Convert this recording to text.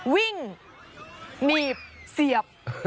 วิ่งหนีบเสียบ